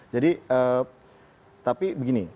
jadi tapi begini